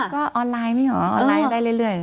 ก็ออนไลน์ไม่เหรอออนไลน์ได้เรื่อย